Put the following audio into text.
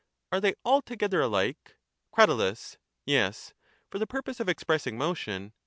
Are they altogether alike? Crat. Yes ; for the purpose of expressing motion.